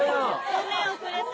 ごめん遅れて。